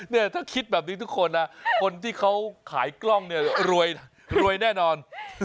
เนี่ยถ้าคิดแบบนี้ทุกคนนะคนที่เขาขายกล้องเนี่ยรวยแน่นอน